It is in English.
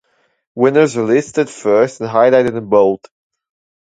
Winners are listed first and highlighted in bold.